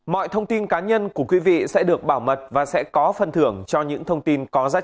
mọi thông tin cá nhân của quý vị sẽ được bảo mật và sẽ có phần thưởng cho những thông tin có giá trị